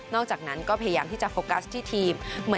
อกจากนั้นก็พยายามที่จะโฟกัสที่ทีม